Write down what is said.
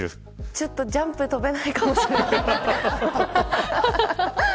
ちょっとジャンプ跳べないかもしれない。